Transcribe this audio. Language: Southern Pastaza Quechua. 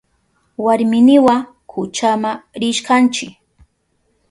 Warminiwa kuchama rishkanchi.